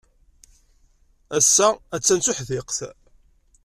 Ass-a, attan d tuḥdiqt.